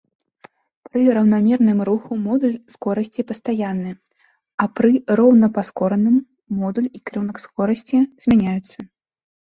Пры раўнамерным руху модуль скорасці пастаянны, а пры роўнапаскораным модуль і кірунак скорасці змяняюцца.